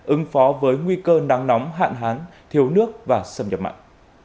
ứng phó với nguy cơ nắng nóng hạn hán thiếu nước và xâm nhập mặn